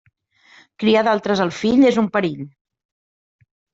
Criar d'altres el fill és un perill.